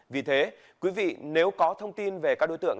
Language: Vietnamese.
vì thế quý vị nếu có thông tin về các đối tượng